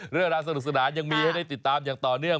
เรื่องราวสนุกสนานยังมีให้ได้ติดตามอย่างต่อเนื่อง